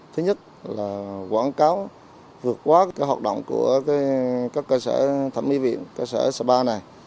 thứ nhất là quảng cáo vượt quá hoạt động của các cơ sở thẩm mỹ viện cơ sở sapa này